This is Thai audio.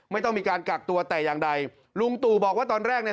ไม่ต้องมีการกักตัวแต่อย่างใดลุงตู่บอกว่าตอนแรกเนี่ย